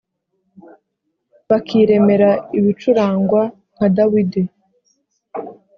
bakiremera ibicurangwa nka Dawidi